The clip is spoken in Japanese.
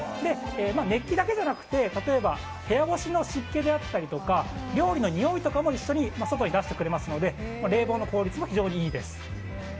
熱気だけじゃなくて部屋干しの湿気であったり料理のにおいとかも一緒に外に出してくれますので冷房の効率も非常にいいです。